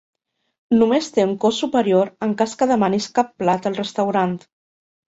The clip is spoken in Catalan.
Només té un cost superior en cas que demanis cap plat al restaurant.